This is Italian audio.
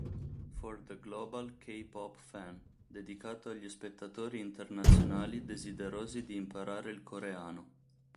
For the Global K-Pop Fan", dedicato agli spettatori internazionali desiderosi di imparare il coreano.